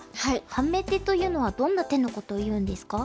ハメ手というのはどんな手のことをいうんですか？